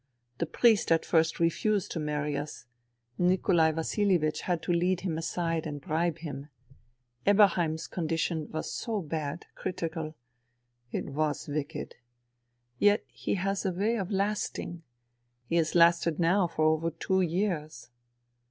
The priest at first refused to marry us. Nikolai Vasilievich had to lead him aside and bribe him. Eberheim's con dition was so bad ... critical. It was wicked. ... Yet he has a way of lasting. He has lasted now for over two years.